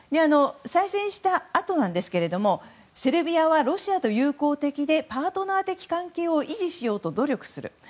再選したあとですがセルビアはロシアと友好的でパートナー的な関係を維持しようと努力する。